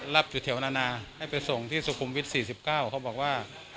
รับอยู่แถวนานาให้ไปส่งที่สุขุมวิท๔๙เขาบอกว่า